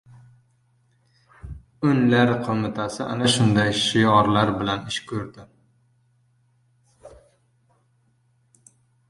O‘nlar qo‘mitasi ana shunday shiorlar bilan ish ko‘rdi.